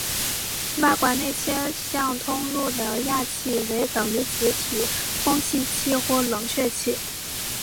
外管内切向通入的氩气为等离子体工作气或冷却气。